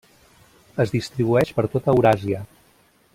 Es distribueix per tota Euràsia.